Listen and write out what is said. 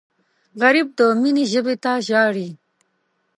غریب د مینې ژبې ته ژاړي